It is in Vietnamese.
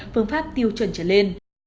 phương pháp tiêu chuẩn trở lên